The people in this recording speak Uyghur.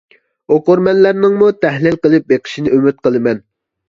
ئوقۇرمەنلەرنىڭمۇ تەھلىل قىلىپ بېقىشىنى ئۈمىد قىلىمەن.